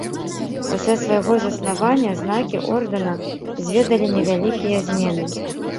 Пасля свайго заснавання знакі ордэна зведалі невялікія змены.